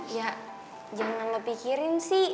ya jangan ngepikirin sih